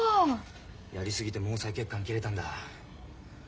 やり過ぎて毛細血管が切れたんだ。